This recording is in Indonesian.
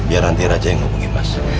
biar nanti raja yang hubungin mas